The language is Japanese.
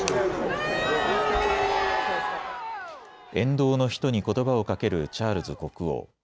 沿道の人にことばをかけるチャールズ国王。